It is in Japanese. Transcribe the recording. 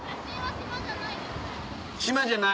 島じゃない？